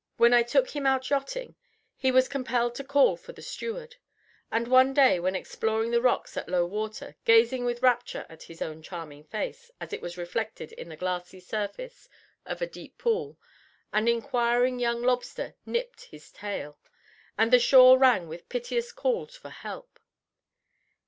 When I took him out yachting he was compelled to call for the steward; and one day when exploring the rocks at low water, gazing with rapture at his own charming face as it was reflected in the glassy surface of a deep pool, an inquiring young lobster nipped his tail, and the shore rang with piteous calls for help.